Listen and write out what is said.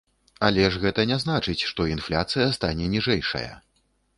Але ж гэта не значыць, што інфляцыя стане ніжэйшая.